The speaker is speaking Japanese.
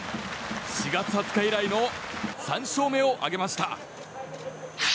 ４月２０日以来の３勝目を挙げました。